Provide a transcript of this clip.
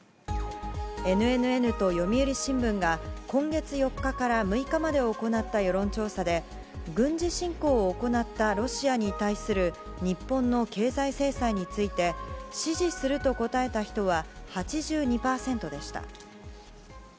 ＮＮＮと読売新聞が今月４日から６日まで行った世論調査で軍事侵攻を行ったロシアに対する日本の経済制裁について支持すると答えた人は８２％でした。